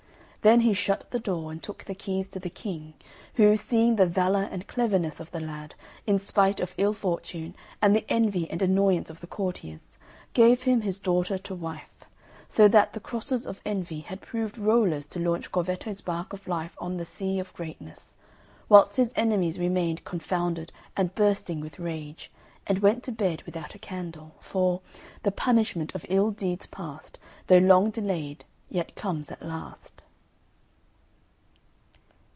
Then he shut the door, and took the keys to the King, who, seeing the valour and cleverness of the lad, in spite of ill fortune and the envy and annoyance of the courtiers, gave him his daughter to wife; so that the crosses of envy had proved rollers to launch Corvetto's bark of life on the sea of greatness; whilst his enemies remained confounded and bursting with rage, and went to bed without a candle; for "The punishment of ill deeds past, Though long delay'd, yet comes at last."